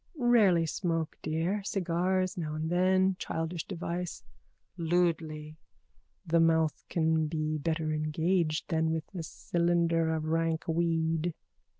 _ Rarely smoke, dear. Cigar now and then. Childish device. (Lewdly.) The mouth can be better engaged than with a cylinder of rank weed.